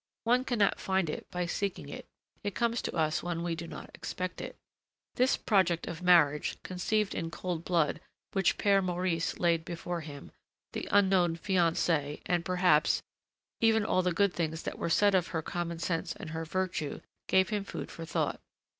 One cannot find it by seeking it; it comes to us when we do not expect it. This project of marriage, conceived in cold blood, which Père Maurice laid before him, the unknown fiancée, and, perhaps, even all the good things that were said of her common sense and her virtue, gave him food for thought.